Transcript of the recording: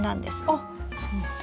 あっそうなんだ。